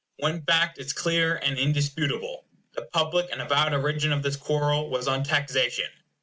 One fact is clear and indisputable. The public and avowed origin of this quarrel was on taxation.